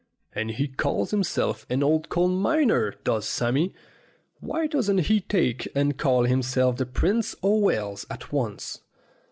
And he calls himself an old coal miner, does Sammy. Why doesn't he take and call himself the Prince o' Wales at once?